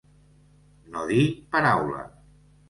No dir paraula.